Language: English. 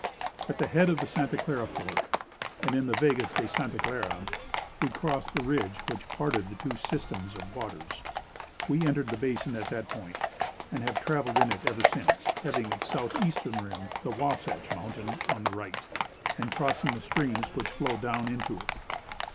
At the head of the Santa Clara Fork, and in the Vegas de Santa Clara, we crossed the ridge which parted the two systems of waters. We entered the Basin at that point, and have traveled in it ever since, having its southeastern rim (the Wahsatch Mountain) on the right, and crossing the streams which flow down into it.